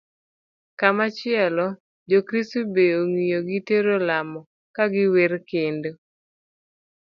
Kamachielo, jokristo be ong'iyo gi tero lamo ka giwer kendo